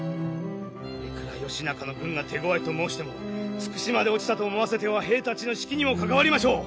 いくら義仲の軍が手ごわいと申しても筑紫まで落ちたと思わせては兵たちの士気にも関わりましょう。